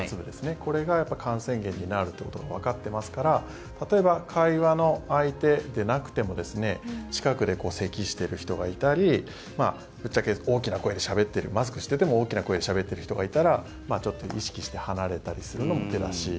これが感染源になるということもわかってますから例えば、会話の相手でなくても近くでせきをしている人がいたりぶっちゃけ大きな声でしゃべっているマスクをしていても大きな声でしゃべっている人がいたらちょっと意識して離れたりするのも手だし。